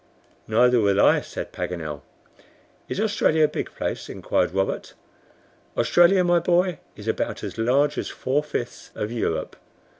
"Neither will I," said Paganel. "Is Australia a big place?" inquired Robert. "Australia, my boy, is about as large as four fifths of Europe.